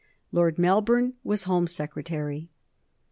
Lord Melbourne was Home Secretary.